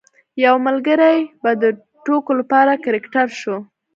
یو ملګری به د ټوکو لپاره کرکټر شو.